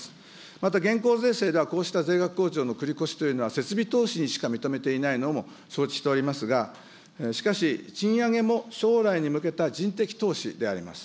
また現行税制では、こうした税額控除の繰り越しというのは、設備投資にしか認めていないのも承知しておりますが、しかし、賃上げも将来に向けた人的投資であります。